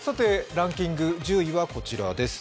ランキング１０位はこちらです。